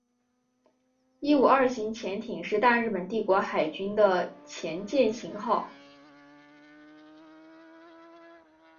伊五二型潜艇是大日本帝国海军的潜舰型号。